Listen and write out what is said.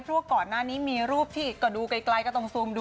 เพราะว่าก่อนหน้านี้มีรูปที่ก็ดูไกลก็ต้องซูมดู